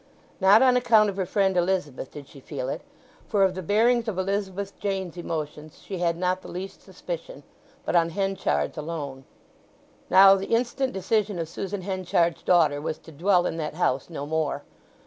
Not on account of her friend Elizabeth did she feel it: for of the bearings of Elizabeth Jane's emotions she had not the least suspicion; but on Henchard's alone. Now the instant decision of Susan Henchard's daughter was to dwell in that house no more.